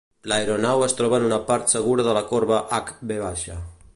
L'aeronau es troba en una part segura de la corba H-V.